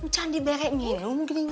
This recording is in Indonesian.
candi berek minum